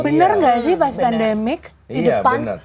benar nggak sih pas pandemik di depan